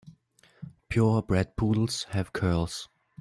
Pure bred poodles have curls.